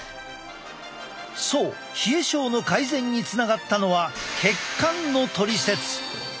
そう冷え症の改善につながったのは血管のトリセツ。